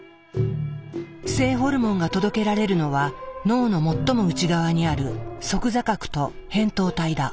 性ホルモンが届けられるのは脳の最も内側にある側坐核と扁桃体だ。